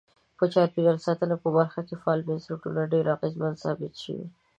په چاپیریال ساتنې په برخه کې فعال بنسټونه ډیر اغیزمن ثابت شوي.